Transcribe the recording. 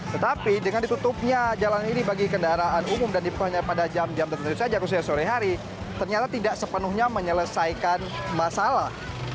tetapi dengan ditutupnya jalan ini bagi kendaraan umum dan hanya pada jam jam tertentu saja khususnya sore hari ternyata tidak sepenuhnya menyelesaikan masalah